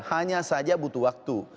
hanya saja butuh waktu